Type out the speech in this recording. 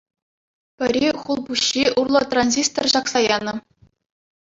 Пӗри хул-пуҫҫи урлӑ транзистор ҫакса янӑ.